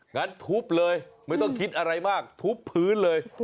งั้นทุบเลยไม่ต้องคิดอะไรมากทุบพื้นเลย